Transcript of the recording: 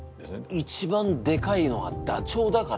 一番でかいのはダチョウだから。